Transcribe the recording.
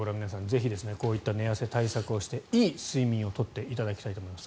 ぜひ、こうした寝汗対策をしていい睡眠を取っていただきたいと思います。